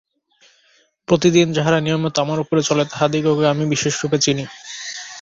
প্রতিদিন যাহারা নিয়মিত আমার উপরে চলে, তাহাদিগকে আমি বিশেষরূপে চিনি।